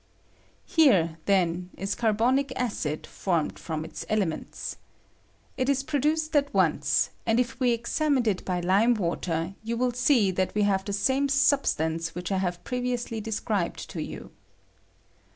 Here, then, is carbonic acid formed from i J COMPOSITION OF CARBONIC ACID. 159 elements. It ia produced at once ; and if we examined it by lime water, you will see tliat we have the same substance which I have pre viously described to you.